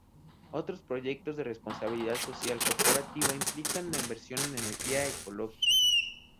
Otros proyectos de responsabilidad social corporativa implican la inversión en energía ecológica.